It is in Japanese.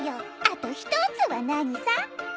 あと一つは何さ？